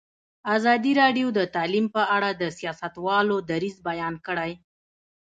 ازادي راډیو د تعلیم په اړه د سیاستوالو دریځ بیان کړی.